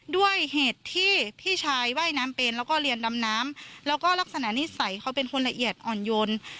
ด้วยเหตุที่พี่ชายว่ายน้ำเป็นแล้วก็เรียนดำน้ำแล้วก็ลักษณะนิสัยเขาเป็นคนละเอียดอ่อนโยน